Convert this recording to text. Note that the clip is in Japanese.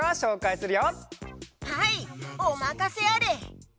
はいおまかせあれ！